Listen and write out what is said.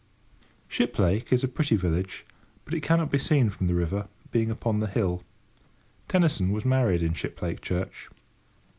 Shiplake is a pretty village, but it cannot be seen from the river, being upon the hill. Tennyson was married in Shiplake Church.